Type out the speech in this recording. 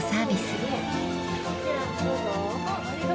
どうぞ。